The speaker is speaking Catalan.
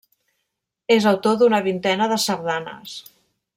És autor d'una vintena de sardanes.